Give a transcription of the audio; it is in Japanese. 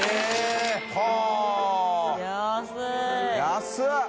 安い！